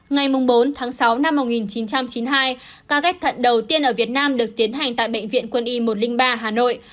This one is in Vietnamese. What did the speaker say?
ngày bốn tháng sáu năm một nghìn chín trăm chín mươi hai ca ghép thận đầu tiên ở việt nam được tiến hành tại bệnh viện quân y một trăm linh ba hà nội